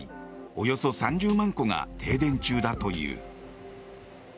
およそ３０万戸が停電中だという。